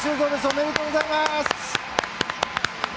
おめでとうございます！